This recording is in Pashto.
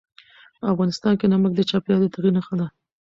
افغانستان کې نمک د چاپېریال د تغیر نښه ده.